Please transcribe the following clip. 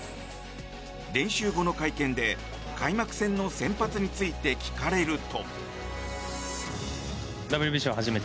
練習後の会見で開幕戦の先発について聞かれると。